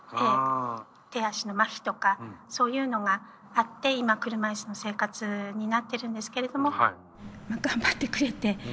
手足の麻痺とかそういうのがあって今車椅子の生活になってるんですけれども頑張ってくれて。